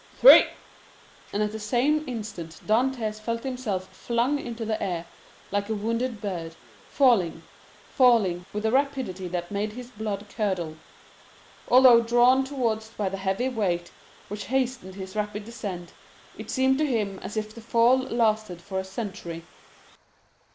three!" And at the same instant Dantès felt himself flung into the air like a wounded bird, falling, falling, with a rapidity that made his blood curdle. Although drawn downwards by the heavy weight which hastened his rapid descent, it seemed to him as if the fall lasted for a century.